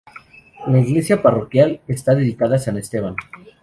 La iglesia parroquial está dedicada a san Esteban.